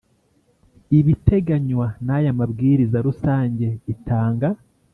ibiteganywa n aya mabwiriza rusange itanga